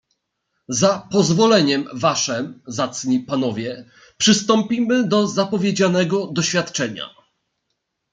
"Za pozwoleniem waszem, zacni panowie, przystąpimy do zapowiedzianego doświadczenia."